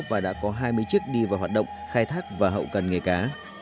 và đã có hai mươi chiếc đi vào hoạt động khai thác và hậu cần nghề cá